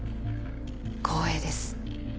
光栄です。